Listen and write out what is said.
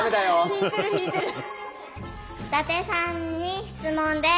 伊達さんに質問です。